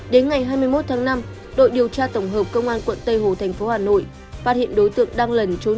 đến ngày hai mươi một tháng năm đội điều tra tổng hợp công an quận tây hồ thành phố hà nội phát hiện đối tượng đang lẩn trốn